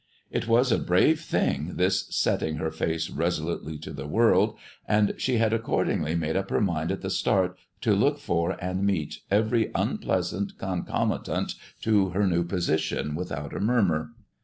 It was a brave thing, this setting her face resolutely to the world, and she had accordingly made up her mind at the start to look for and meet every unpleasant concomitant to her new position without a murmur.